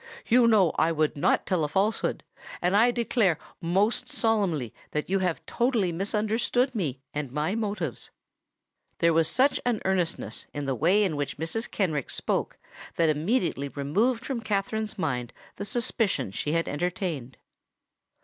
You know I would not tell a falsehood; and I declare most solemnly that you have totally misunderstood me and my motives." There was an earnestness in the way in which Mrs. Kenrick spoke that immediately removed from Katherine's mind the suspicion she had entertained.